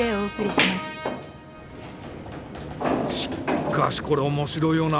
しっかしこれ面白いよな